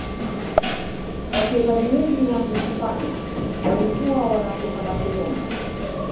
wachezaji wengi wa hisipania walikuwa wanatoka barcelona